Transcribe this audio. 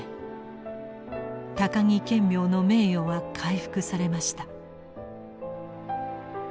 高木顕明の名誉は回復されました。